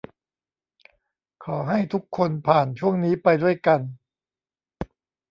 ขอให้ทุกคนผ่านช่วงนี้ไปด้วยกัน